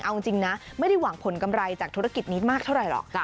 เอาจริงนะไม่ได้หวังผลกำไรจากธุรกิจนี้มากเท่าไหร่หรอก